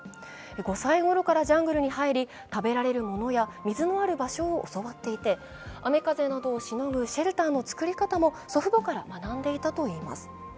５歳ごろからジャングルに入り、食べられるものや水のある場所を教わっていて雨風などをしのぐシェルターの作り方も祖父母から学んでいたといいます。